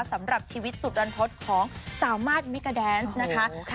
สำหรับชีวิตสุดรันทศของสาวมาสมิกาแดนส์นะคะ